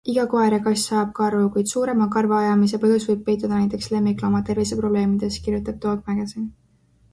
Iga koer ja kass ajab karvu, kuid suurema karvaajamise põhjus võib peituda näiteks lemmiklooma terviseprobleemides, kirjutab Dog Magazine.